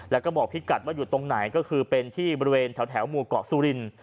แล้วก็บอกพี่กัดว่าอยู่ตรงไหนก็คือเป็นที่บริเวณแถวหมู่เกาะสุริน